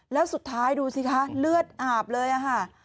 แล้วสุดท้ายดูสิคะเลือดอาบเลยค่ะ